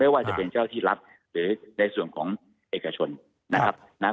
ว่าจะเป็นเจ้าที่รัฐหรือในส่วนของเอกชนนะครับนะครับ